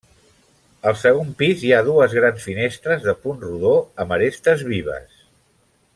Al segon pis hi ha dues grans finestres de punt rodó amb arestes vives.